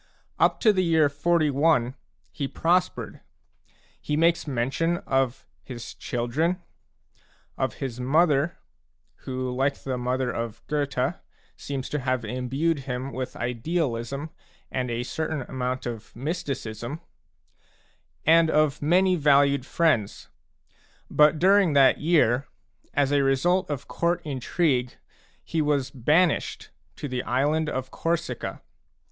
Up to the year 41 he prospered. He makes mention of his children, of his mother who, like the mother of Goethe, seems to have imbued him with idealism and a certain amount of mysticism, and of many valued friends. But during that year, as a result of court intrigue, he was banished to the island of Corsica.